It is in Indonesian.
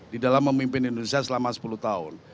di dalam memimpin indonesia selama sepuluh tahun